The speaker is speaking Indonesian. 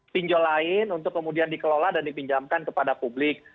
pinjol lain untuk kemudian dikelola dan dipinjamkan kepada publik